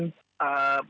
pembersihan di tanah